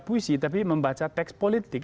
puisi tapi membaca teks politik